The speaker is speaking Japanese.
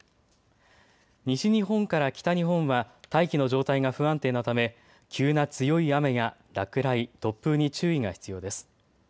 西日本から北日本は大気の状態が不安定なため急な強い雨や落雷、突風に注意が必要です。